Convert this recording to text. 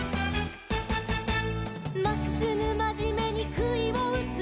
「まっすぐまじめにくいをうつ」